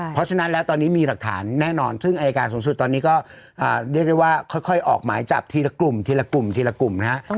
เพราะฉะนั้นแล้วตอนนี้มีหลักฐานแน่นอนซึ่งอายการสูงสุดตอนนี้ก็เรียกได้ว่าค่อยออกหมายจับทีละกลุ่มทีละกลุ่มทีละกลุ่มนะฮะ